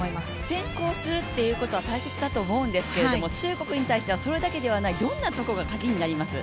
先行するということは大切だと思うんですけど、中国に対してはそれだけにはないどんなところがカギになりますか？